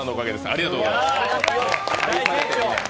ありがとうございます。